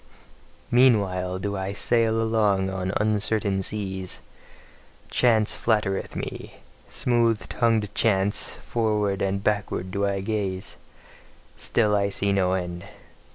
Meanwhile do I sail along on uncertain seas; chance flattereth me, smooth tongued chance; forward and backward do I gaze , still see I no end.